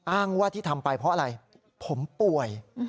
อ้างว่าที่ทำไปเพราะอะไรผมป่วย